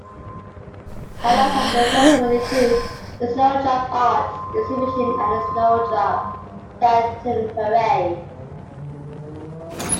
Highlights of the festival include the Snowdrop Art Exhibition and the Snowdrop Lantern Parade.